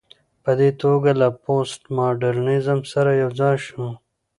په دې توګه له پوسټ ماډرنيزم سره يوځاى شو